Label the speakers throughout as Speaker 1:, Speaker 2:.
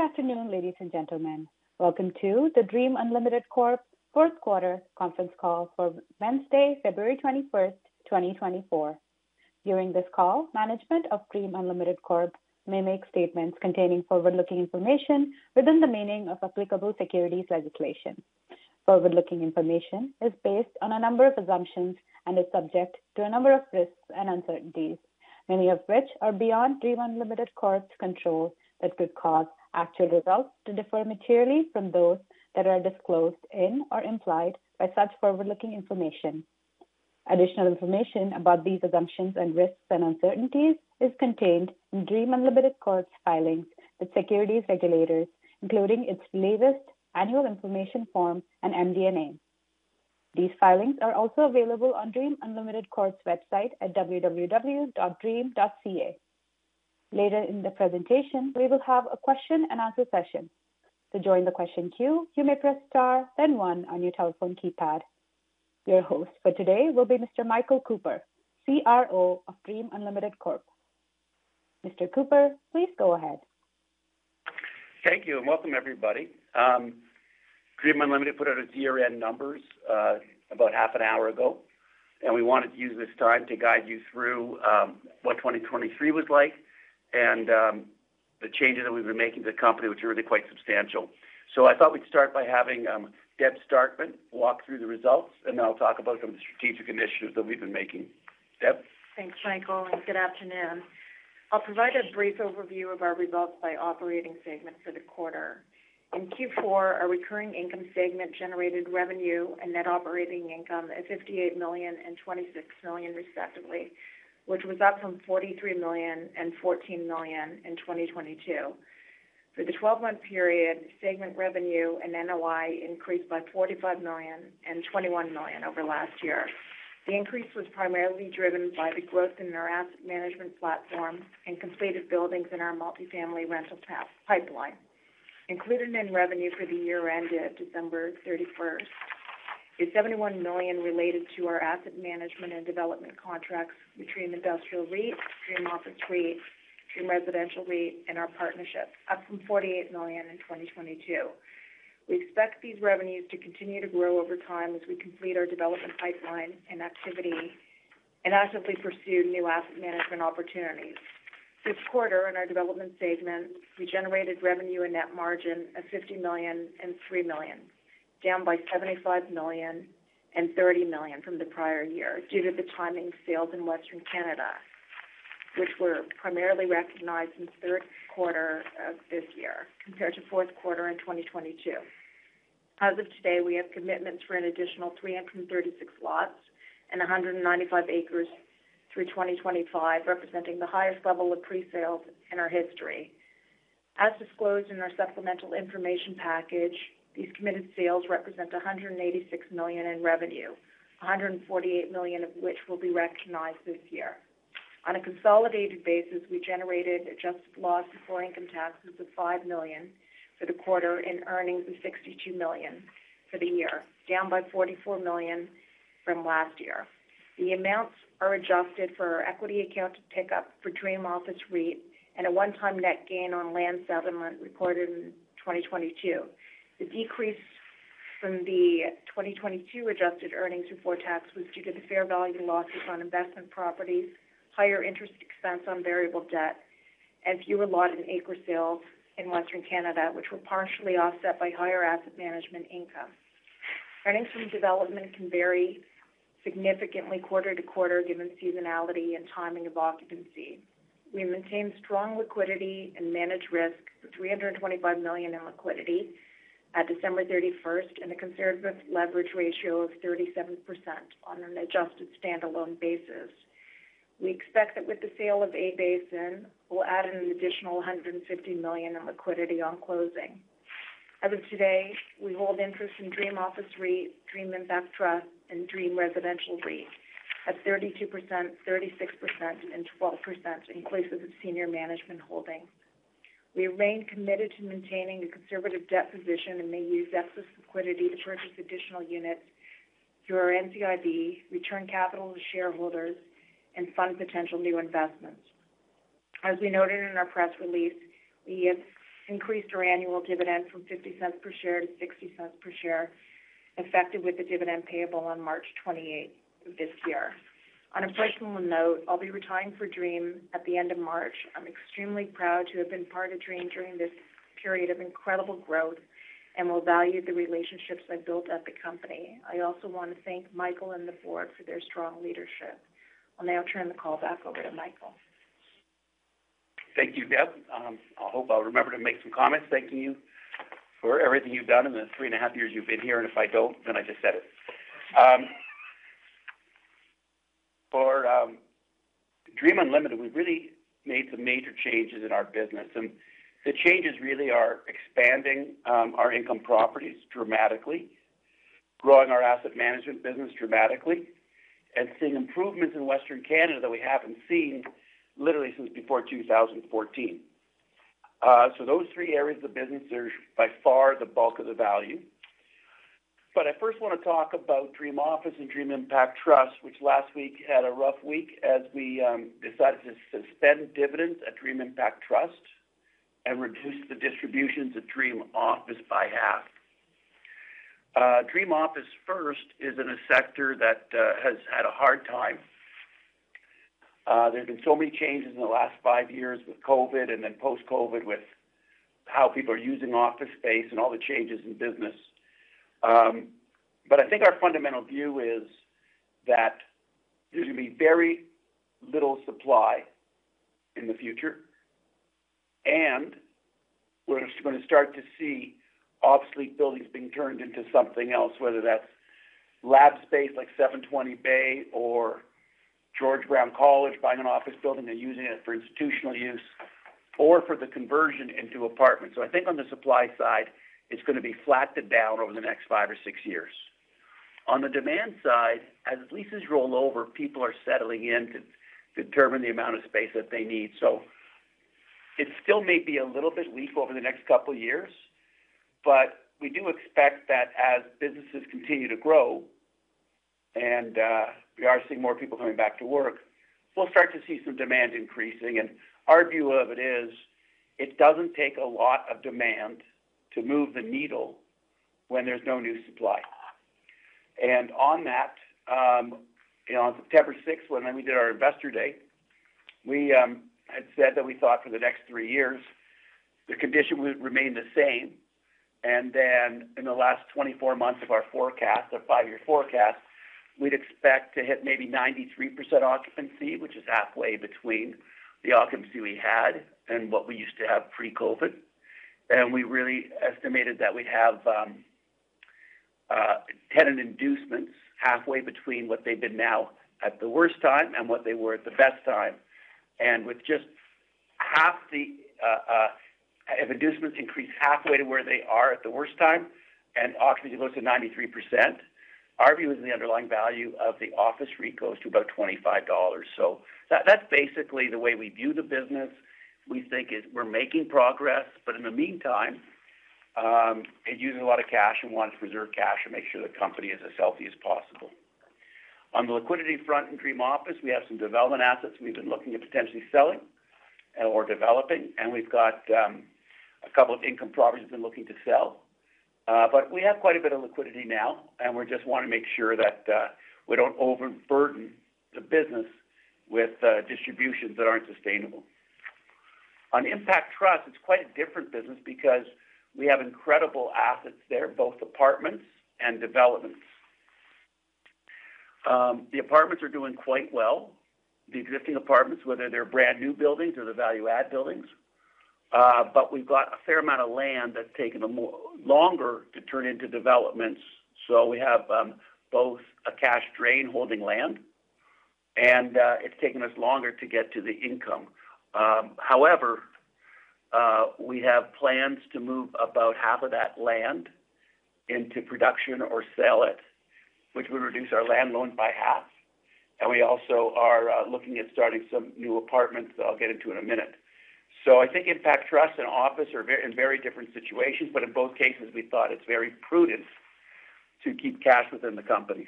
Speaker 1: Good afternoon, ladies and gentlemen. Welcome to the Dream Unlimited Corp. fourth quarter conference call for Wednesday, February 21, 2024. During this call, management of Dream Unlimited Corp. may make statements containing forward-looking information within the meaning of applicable securities legislation. Forward-looking information is based on a number of assumptions and is subject to a number of risks and uncertainties, many of which are beyond Dream Unlimited Corp's control, that could cause actual results to differ materially from those that are disclosed in or implied by such forward-looking information. Additional information about these assumptions and risks and uncertainties is contained in Dream Unlimited Corp.'s filings with securities regulators, including its latest annual information form and MD&A. These filings are also available on Dream Unlimited Corp.'s website at www.dream.ca. Later in the presentation, we will have a question and answer session. To join the question queue, you may press Star, then one on your telephone keypad. Your host for today will be Mr. Michael Cooper, CRO of Dream Unlimited Corp. Mr. Cooper, please go ahead.
Speaker 2: Thank you, and welcome, everybody. Dream Unlimited put out its year-end numbers about half an hour ago, and we wanted to use this time to guide you through what 2023 was like and the changes that we've been making to the company, which are really quite substantial. So I thought we'd start by having Deb Starkman walk through the results, and then I'll talk about some of the strategic initiatives that we've been making. Deb?
Speaker 3: Thanks, Michael, and good afternoon. I'll provide a brief overview of our results by operating segment for the quarter. In Q4, our recurring income segment generated revenue and net operating income of 58 million and 26 million, respectively, which was up from 43 million and 14 million in 2022. For the twelve-month period, segment revenue and NOI increased by 45 million and 21 million over last year. The increase was primarily driven by the growth in our asset management platform and completed buildings in our multifamily rental portfolio pipeline. Included in revenue for the year ended December 31 is 71 million related to our asset management and development contracts between Dream Industrial REIT, Dream Office REIT, Dream Residential REIT, and our partnership, up from 48 million in 2022. We expect these revenues to continue to grow over time as we complete our development pipeline and activity and actively pursue new asset management opportunities. This quarter, in our development segment, we generated revenue and net margin of 50 million and 3 million, down by 75 million and 30 million from the prior year due to the timing of sales in Western Canada, which were primarily recognized in the third quarter of this year compared to fourth quarter in 2022. As of today, we have commitments for an additional 336 lots and 195 acres through 2025, representing the highest level of pre-sales in our history. As disclosed in our supplemental information package, these committed sales represent 186 million in revenue, 148 million of which will be recognized this year. On a consolidated basis, we generated adjusted loss before income taxes of 5 million for the quarter and earnings of 62 million for the year, down by 44 million from last year. The amounts are adjusted for our equity account to pick up for Dream Office REIT and a one-time net gain on land settlement recorded in 2022. The decrease from the 2022 adjusted earnings before tax was due to the fair value losses on investment properties, higher interest expense on variable debt, and fewer lot and acre sales in Western Canada, which were partially offset by higher asset management income. Earnings from development can vary significantly quarter to quarter, given seasonality and timing of occupancy. We maintained strong liquidity and managed risk with 325 million in liquidity at December 31st, and a conservative leverage ratio of 37% on an adjusted standalone basis. We expect that with the sale of A-Basin, we'll add an additional 150 million in liquidity on closing. As of today, we hold interest in Dream Office REIT, Dream Impact Trust, and Dream Residential REIT at 32%, 36%, and 12%, in place of the senior management holding. We remain committed to maintaining a conservative debt position and may use excess liquidity to purchase additional units through our NCIB, return capital to shareholders, and fund potential new investments. As we noted in our press release, we have increased our annual dividend from 0.50 per share to 0.60 per share, effective with the dividend payable on March 28 this year. On a personal note, I'll be retiring for Dream at the end of March. I'm extremely proud to have been part of Dream during this period of incredible growth and will value the relationships I built at the company. I also want to thank Michael and the board for their strong leadership. I'll now turn the call back over to Michael.
Speaker 2: Thank you, Deb. I hope I'll remember to make some comments thanking you for everything you've done in the three and a half years you've been here, and if I don't, then I just said it. For Dream Unlimited, we've really made some major changes in our business, and the changes really are expanding our income properties dramatically, growing our asset management business dramatically, and seeing improvements in Western Canada that we haven't seen literally since before 2014. So those three areas of the business are by far the bulk of the value. But I first want to talk about Dream Office and Dream Impact Trust, which last week had a rough week as we decided to suspend dividends at Dream Impact Trust and reduce the distributions at Dream Office by half. Dream Office first is in a sector that has had a hard time. There's been so many changes in the last five years with COVID and then post-COVID, with how people are using office space and all the changes in business. But I think our fundamental view is that there's going to be very little supply in the future, and we're just gonna start to see obsolete buildings being turned into something else, whether that's lab space like 720 Bay or George Brown College, buying an office building and using it for institutional use or for the conversion into apartments. So I think on the supply side, it's gonna be flat to down over the next five or six years. On the demand side, as leases roll over, people are settling in to determine the amount of space that they need. So it still may be a little bit weak over the next couple of years, but we do expect that as businesses continue to grow and we are seeing more people coming back to work, we'll start to see some demand increasing. And our view of it is, it doesn't take a lot of demand to move the needle when there's no new supply. And on that, you know, on September sixth, when we did our investor day, we had said that we thought for the next three years, the condition would remain the same. And then in the last 24 months of our five year forecast, we'd expect to hit maybe 93% occupancy, which is halfway between the occupancy we had and what we used to have pre-COVID. We really estimated that we'd have tenant inducements halfway between what they've been now at the worst time and what they were at the best time. If inducements increase halfway to where they are at the worst time and occupancy goes to 93%, our view is the underlying value of the office REIT goes to about 25 dollars. So that's basically the way we view the business. We think we're making progress, but in the meantime, it uses a lot of cash and wants to preserve cash and make sure the company is as healthy as possible. On the liquidity front in Dream Office, we have some development assets we've been looking at potentially selling or developing, and we've got a couple of income properties we've been looking to sell. But we have quite a bit of liquidity now, and we just want to make sure that we don't overburden the business with distributions that aren't sustainable. On Impact Trust, it's quite a different business because we have incredible assets there, both apartments and developments. The apartments are doing quite well, the existing apartments, whether they're brand new buildings or the value-add buildings, but we've got a fair amount of land that's taken a more longer to turn into developments. So we have both a cash drain holding land, and it's taken us longer to get to the income. However, we have plans to move about half of that land into production or sell it, which will reduce our land loan by half. And we also are looking at starting some new apartments that I'll get into in a minute. So I think Impact Trust and Office are very, in very different situations, but in both cases, we thought it's very prudent to keep cash within the companies.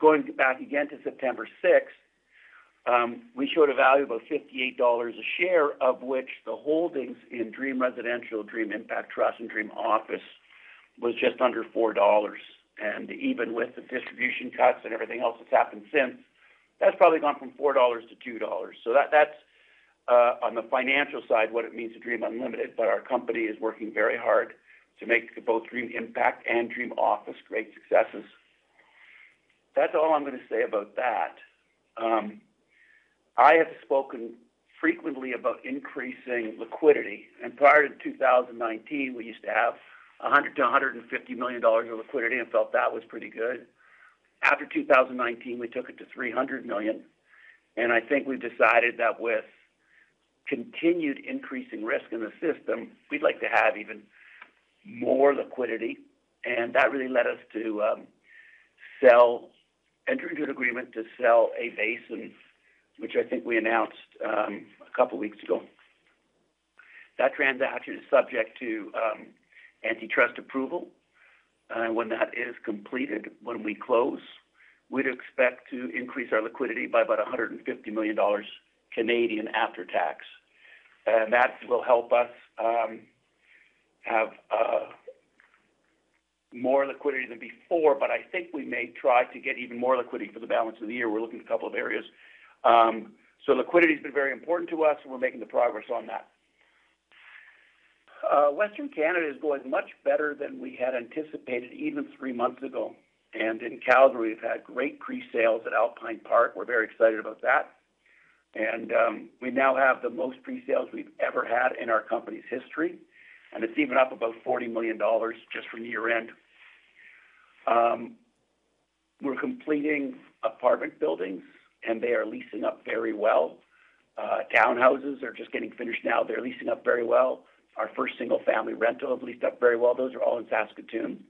Speaker 2: Going back again to September sixth, we showed a value of about 58 dollars a share, of which the holdings in Dream Residential, Dream Impact Trust, and Dream Office was just under 4 dollars. And even with the distribution cuts and everything else that's happened since, that's probably gone from 4 dollars to 2 dollars. So that, that's, on the financial side, what it means to Dream Unlimited, but our company is working very hard to make both Dream Impact and Dream Office great successes. That's all I'm going to say about that. I have spoken frequently about increasing liquidity, and prior to 2019, we used to have 100 million to 150 million dollars of liquidity and felt that was pretty good. After 2019, we took it to 300 million, and I think we've decided that with continued increasing risk in the system, we'd like to have even more liquidity. And that really led us to, sell-- enter into an agreement to sell A-Basin, which I think we announced, a couple of weeks ago. That transaction is subject to, antitrust approval, and when that is completed, when we close, we'd expect to increase our liquidity by about 150 million Canadian dollars Canadian, after tax. That will help us have more liquidity than before, but I think we may try to get even more liquidity for the balance of the year. We're looking at a couple of areas. So liquidity has been very important to us, and we're making the progress on that. Western Canada is going much better than we had anticipated, even three months ago. In Calgary, we've had great presales at Alpine Park. We're very excited about that. We now have the most presales we've ever had in our company's history, and it's even up about 40 million dollars just from year-end. We're completing apartment buildings, and they are leasing up very well. Townhouses are just getting finished now. They're leasing up very well. Our first single-family rental have leased up very well. Those are all in Saskatoon,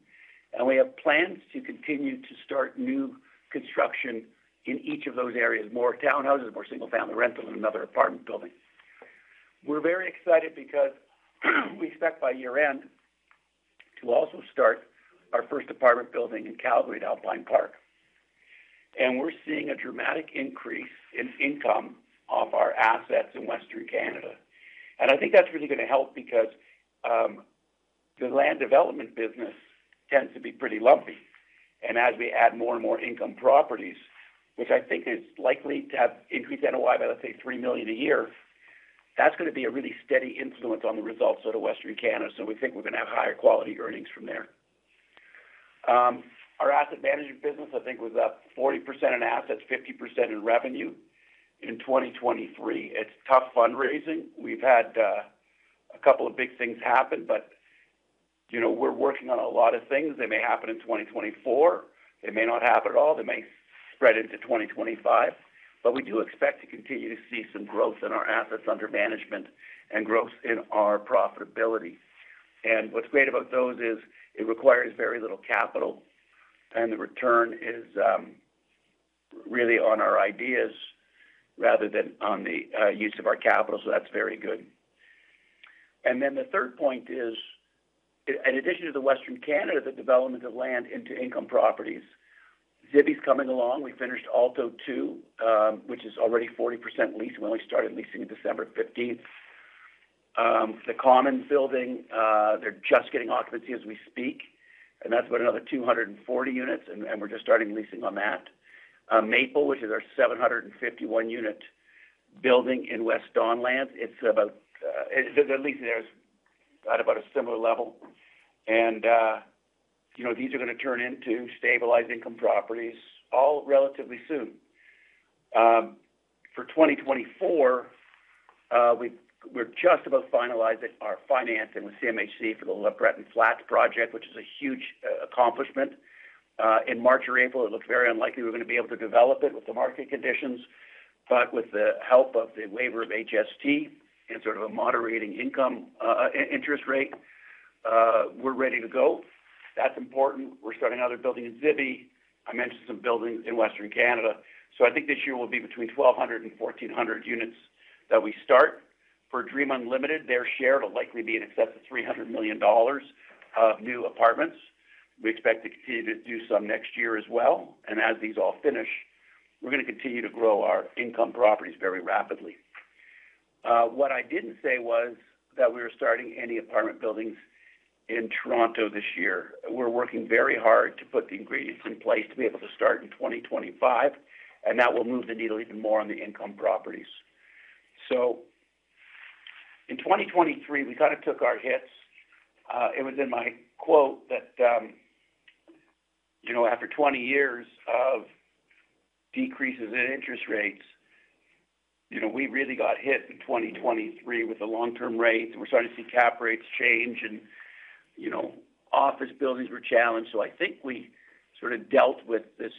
Speaker 2: and we have plans to continue to start new construction in each of those areas, more townhouses, more single-family rentals, and another apartment building. We're very excited because we expect by year-end to also start our first apartment building in Calgary at Alpine Park. And we're seeing a dramatic increase in income off our assets in Western Canada. And I think that's really going to help because the land development business tends to be pretty lumpy. And as we add more and more income properties, which I think is likely to have increased NOI by, let's say, 3 million a year, that's going to be a really steady influence on the results out of Western Canada. So we think we're going to have higher quality earnings from there. Our asset management business, I think, was up 40% in assets, 50% in revenue in 2023. It's tough fundraising. We've had a couple of big things happen, but, you know, we're working on a lot of things. They may happen in 2024, they may not happen at all, they may spread into 2025. But we do expect to continue to see some growth in our assets under management and growth in our profitability. And what's great about those is it requires very little capital, and the return is really on our ideas rather than on the use of our capital. So that's very good. And then the third point is, in addition to the Western Canada, the development of land into income properties. Zibi is coming along. We finished Aalto II, which is already 40% leased, and we only started leasing December fifteenth. The Common building, they're just getting occupancy as we speak, and that's about another 240 units, and we're just starting leasing on that. Maple, which is our 751-unit building in West Don Lands. It's about, the leasing there is at about a similar level. You know, these are going to turn into stabilized income properties all relatively soon. For 2024, we're just about to finalize it, our financing with CMHC for the LeBreton Flats project, which is a huge accomplishment. In March or April, it looked very unlikely we were going to be able to develop it with the market conditions, but with the help of the waiver of HST and sort of a moderating income, interest rate, we're ready to go. That's important. We're starting another building in Zibi. I mentioned some buildings in Western Canada. So I think this year will be between 1,200 and 1,400 units that we start. For Dream Unlimited, their share will likely be in excess of 300 million dollars of new apartments. We expect to continue to do some next year as well, and as these all finish, we're going to continue to grow our income properties very rapidly. What I didn't say was that we were starting any apartment buildings in Toronto this year. We're working very hard to put the ingredients in place to be able to start in 2025, and that will move the needle even more on the income properties. So in 2023, we kind of took our hits. It was in my quote that, you know, after 20 years of decreases in interest rates, you know, we really got hit in 2023 with the long-term rates. We're starting to see cap rates change and, you know, office buildings were challenged. So I think we sort of dealt with this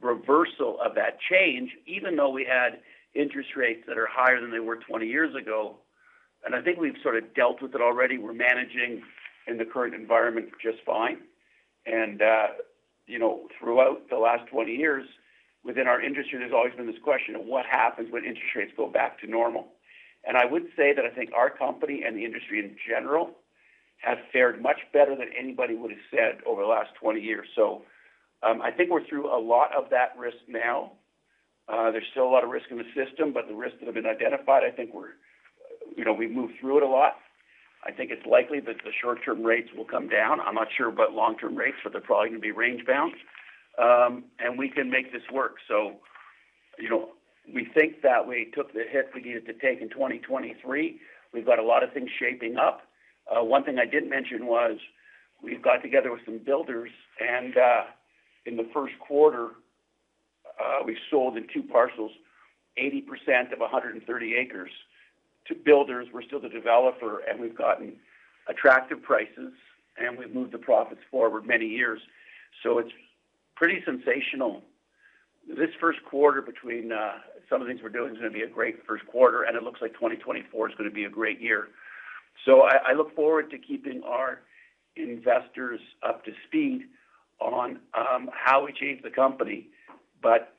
Speaker 2: reversal of that change, even though we had interest rates that are higher than they were 20 years ago. And I think we've sort of dealt with it already. We're managing in the current environment just fine. You know, throughout the last 20 years within our industry, there's always been this question of what happens when interest rates go back to normal. I would say that I think our company and the industry in general have fared much better than anybody would have said over the last 20 years. I think we're through a lot of that risk now. There's still a lot of risk in the system, but the risks that have been identified, I think we're, you know, we've moved through it a lot. I think it's likely that the short-term rates will come down. I'm not sure about long-term rates, but they're probably going to be range-bound. And we can make this work. You know, we think that we took the hit we needed to take in 2023. We've got a lot of things shaping up. One thing I didn't mention was we've got together with some builders, and, in the first quarter, we sold in two parcels, 80% of 130 acres to builders. We're still the developer, and we've gotten attractive prices, and we've moved the profits forward many years. So it's pretty sensational. This first quarter, between, some of the things we're doing, is going to be a great first quarter, and it looks like 2024 is going to be a great year. So I, I look forward to keeping our investors up to speed on, how we change the company. But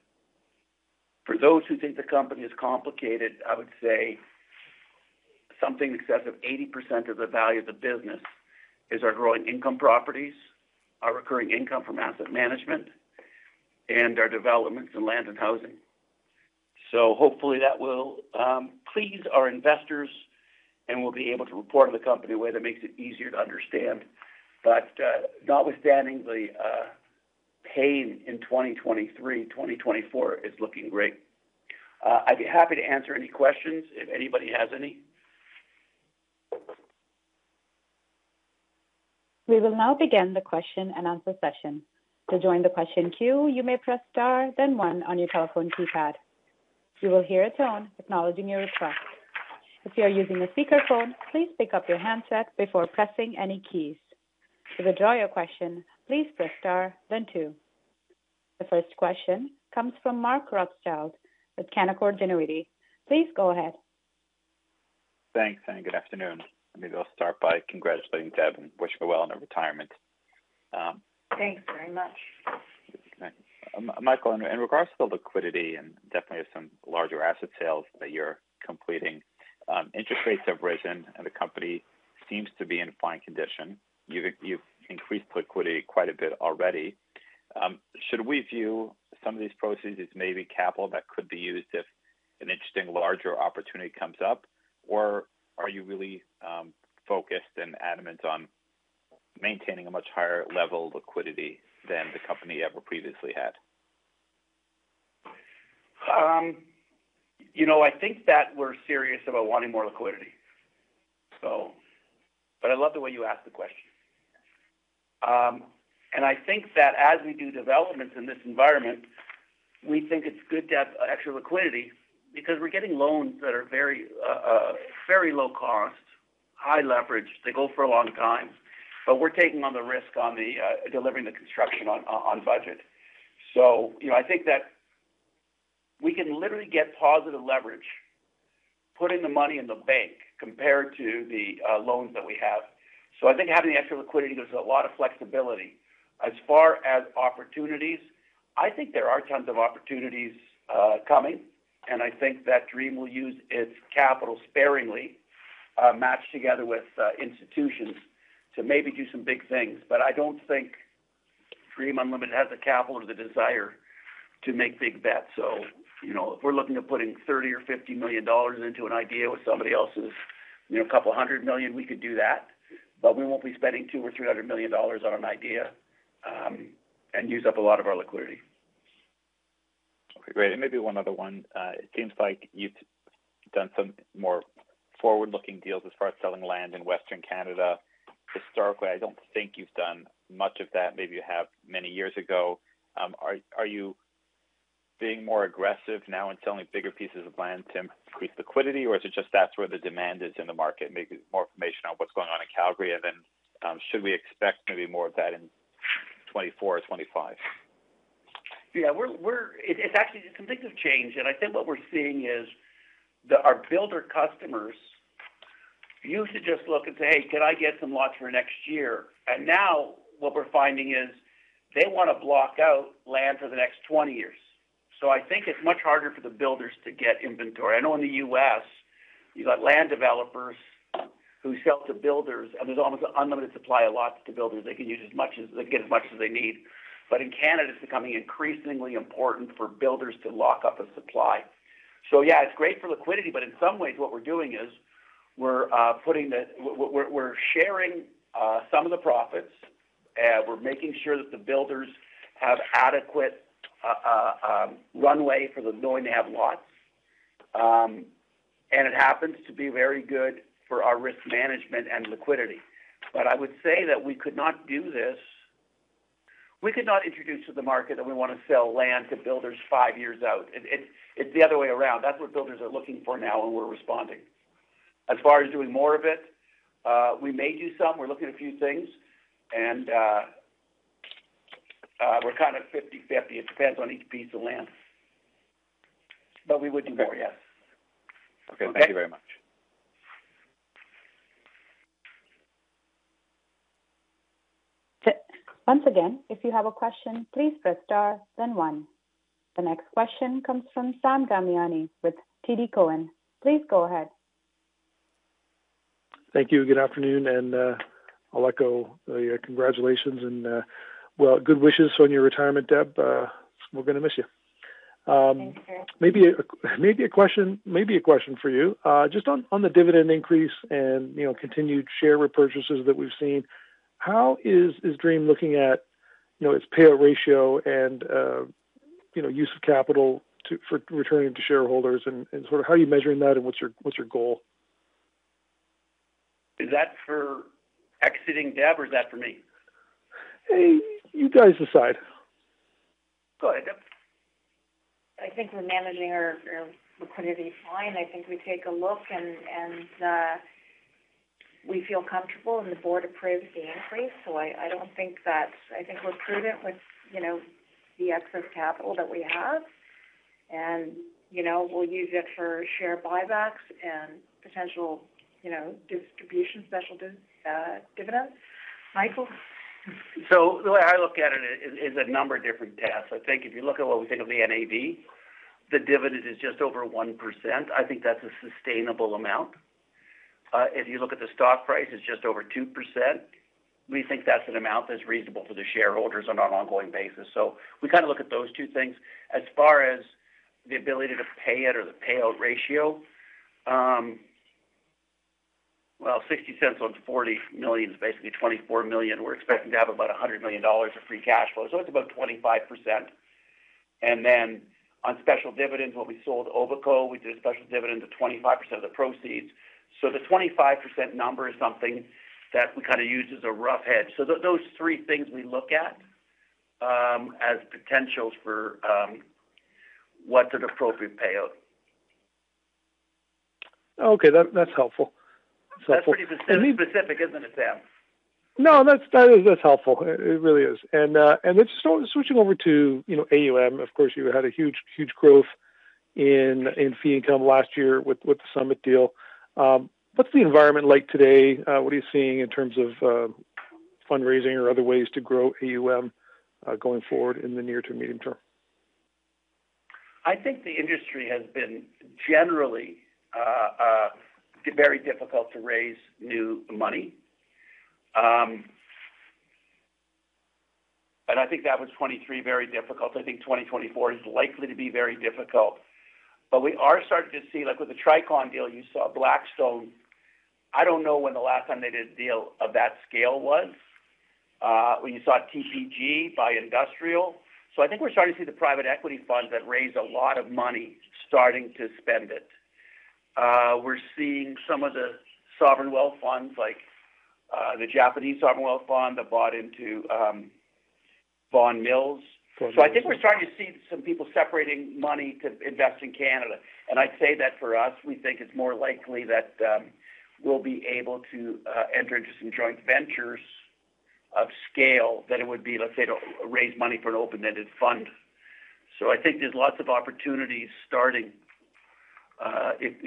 Speaker 2: for those who think the company is complicated, I would say something in excess of 80% of the value of the business is our growing income properties, our recurring income from asset management, and our developments in land and housing. So hopefully that will please our investors, and we'll be able to report on the company in a way that makes it easier to understand. But, notwithstanding the pain in 2023, 2024 is looking great. I'd be happy to answer any questions if anybody has any.
Speaker 1: We will now begin the question-and-answer session. To join the question queue, you may press Star, then one on your telephone keypad. You will hear a tone acknowledging your request. If you are using a speakerphone, please pick up your handset before pressing any keys. To withdraw your question, please press Star, then two. The first question comes from Mark Rothschild with Canaccord Genuity. Please go ahead.
Speaker 4: Thanks, and good afternoon. Let me go start by congratulating Deb and wish her well in her retirement.
Speaker 3: Thanks very much....
Speaker 4: Michael, in regards to the liquidity, and definitely have some larger asset sales that you're completing, interest rates have risen, and the company seems to be in fine condition. You've increased liquidity quite a bit already. Should we view some of these proceeds as maybe capital that could be used if an interesting larger opportunity comes up? Or are you really focused and adamant on maintaining a much higher level of liquidity than the company ever previously had?
Speaker 2: You know, I think that we're serious about wanting more liquidity. But I love the way you asked the question. And I think that as we do developments in this environment, we think it's good to have extra liquidity because we're getting loans that are very, very low cost, high leverage. They go for a long time, but we're taking on the risk on the delivering the construction on budget. So, you know, I think that we can literally get positive leverage, putting the money in the bank compared to the loans that we have. So I think having the extra liquidity, there's a lot of flexibility. As far as opportunities, I think there are tons of opportunities coming, and I think that Dream will use its capital sparingly, matched together with institutions to maybe do some big things. But I don't think Dream Unlimited has the capital or the desire to make big bets. So, you know, if we're looking at putting 30 million or 50 million dollars into an idea with somebody else's, you know, couple hundred million, we could do that, but we won't be spending 200 million or 300 million dollars on an idea, and use up a lot of our liquidity.
Speaker 4: Okay, great. And maybe one other one. It seems like you've done some more forward-looking deals as far as selling land in Western Canada. Historically, I don't think you've done much of that. Maybe you have many years ago. Are you being more aggressive now in selling bigger pieces of land to increase liquidity, or is it just that's where the demand is in the market? Maybe more information on what's going on in Calgary, and then, should we expect maybe more of that in 2024 or 2025?
Speaker 2: Yeah, we're-- It's actually a conclusive change, and I think what we're seeing is that our builder customers usually just look and say, "Hey, can I get some lots for next year?" And now what we're finding is they want to block out land for the next 20 years. So I think it's much harder for the builders to get inventory. I know in the U.S., you got land developers who sell to builders, and there's almost unlimited supply of lots to builders. They can use as much as-- They can get as much as they need. But in Canada, it's becoming increasingly important for builders to lock up the supply. So yeah, it's great for liquidity, but in some ways what we're doing is we're putting the... We're sharing some of the profits, we're making sure that the builders have adequate runway for them knowing they have lots. And it happens to be very good for our risk management and liquidity. But I would say that we could not do this. We could not introduce to the market that we want to sell land to builders five years out. It's the other way around. That's what builders are looking for now, and we're responding. As far as doing more of it, we may do some. We're looking at a few things, and we're kind of 50/50. It depends on each piece of land. But we would do more, yes.
Speaker 4: Okay. Thank you very much.
Speaker 1: Once again, if you have a question, please press Star, then One. The next question comes from Sam Damiani with TD Cowen. Please go ahead.
Speaker 5: Thank you. Good afternoon, and I'll echo your congratulations and well good wishes on your retirement, Deb. We're gonna miss you.
Speaker 3: Thanks.
Speaker 5: Maybe a question for you. Just on the dividend increase and, you know, continued share repurchases that we've seen, how is Dream looking at, you know, its payout ratio and, you know, use of capital to, for returning to shareholders, and sort of how are you measuring that, and what's your goal?
Speaker 2: Is that for exiting Deb, or is that for me?
Speaker 5: You guys decide.
Speaker 2: Go ahead, Deb.
Speaker 3: I think we're managing our liquidity fine. I think we take a look and we feel comfortable, and the board approves the increase, so I don't think that... I think we're prudent with, you know, the excess capital that we have, and, you know, we'll use it for share buybacks and potential, you know, distribution, special dividends. Michael?
Speaker 2: So the way I look at it is a number of different tasks. I think if you look at what we think of the NAV, the dividend is just over 1%. I think that's a sustainable amount. If you look at the stock price, it's just over 2%. We think that's an amount that's reasonable for the shareholders on an ongoing basis. So we kind of look at those two things. As far as the ability to pay it or the payout ratio, well, 0.60 on 40 million is basically 24 million. We're expecting to have about 100 million dollars of free cash flow, so it's about 25%. And then on special dividends, when we sold Obico, we did a special dividend of 25% of the proceeds. So the 25% number is something that we kind of use as a rough hedge. So those three things we look at, as potentials for, what's an appropriate payout.
Speaker 5: Okay, that, that's helpful.
Speaker 2: That's pretty specific, isn't it, Deb?
Speaker 5: No, that's, that is... That's helpful. It, it really is. And, and just switching over to, you know, AUM, of course, you had a huge, huge growth.... in, in fee income last year with, with the Summit deal. What's the environment like today? What are you seeing in terms of, fundraising or other ways to grow AUM, going forward in the near to medium term?
Speaker 2: I think the industry has been generally very difficult to raise new money. And I think that was 2023, very difficult. I think 2024 is likely to be very difficult. But we are starting to see, like with the Tricon deal, you saw Blackstone. I don't know when the last time they did a deal of that scale was. When you saw TPG buy Industrial. So I think we're starting to see the private equity funds that raised a lot of money starting to spend it. We're seeing some of the sovereign wealth funds, like the Japanese Sovereign Wealth Fund, that bought into Vaughan Mills. So I think we're starting to see some people separating money to invest in Canada. And I'd say that for us, we think it's more likely that we'll be able to enter into some joint ventures of scale than it would be, let's say, to raise money for an open-ended fund. So I think there's lots of opportunities starting.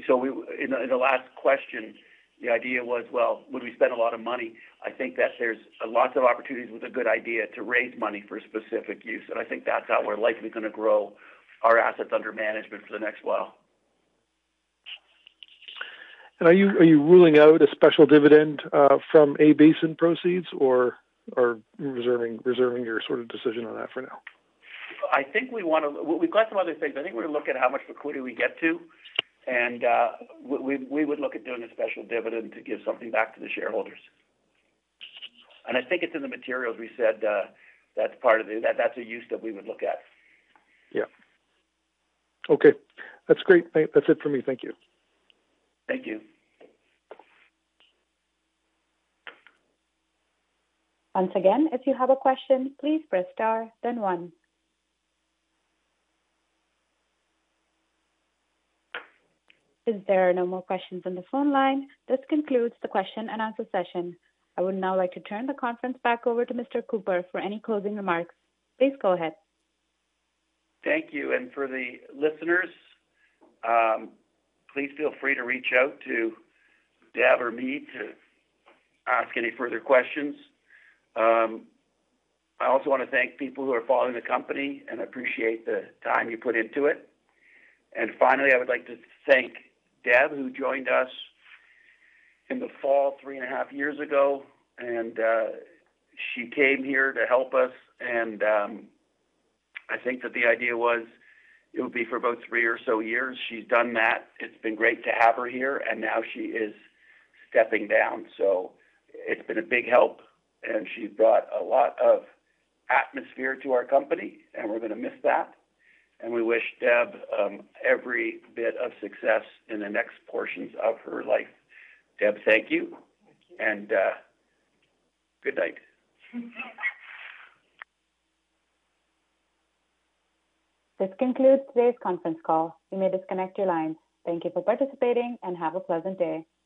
Speaker 2: So, in the last question, the idea was, well, would we spend a lot of money? I think that there's lots of opportunities with a good idea to raise money for a specific use, and I think that's how we're likely gonna grow our assets under management for the next while.
Speaker 5: Are you ruling out a special dividend from A-Basin proceeds, or reserving your sort of decision on that for now?
Speaker 2: I think we wanna... We've got some other things. I think we're gonna look at how much liquidity we get to, and we would look at doing a special dividend to give something back to the shareholders. And I think it's in the materials we said, that's part of the-- that's a use that we would look at.
Speaker 5: Yeah. Okay, that's great. Thank-- That's it for me. Thank you.
Speaker 2: Thank you.
Speaker 1: Once again, if you have a question, please press Star, then One. As there are no more questions on the phone line, this concludes the question and answer session. I would now like to turn the conference back over to Mr. Cooper for any closing remarks. Please go ahead.
Speaker 2: Thank you. For the listeners, please feel free to reach out to Deb or me to ask any further questions. I also want to thank people who are following the company, and I appreciate the time you put into it. Finally, I would like to thank Deb, who joined us in the fall, 3.5 years ago, and she came here to help us, and I think that the idea was it would be for about three or so years. She's done that. It's been great to have her here, and now she is stepping down. So it's been a big help, and she's brought a lot of atmosphere to our company, and we're gonna miss that. And we wish Deb every bit of success in the next portions of her life. Deb, thank you.
Speaker 3: Thank you.
Speaker 2: Good night.
Speaker 1: This concludes today's conference call. You may disconnect your lines. Thank you for participating and have a pleasant day.